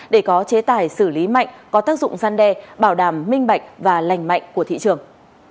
để có chế tài xử lý mạnh có tác dụng gian đe bảo đảm minh bạch và lành mạnh của thị trường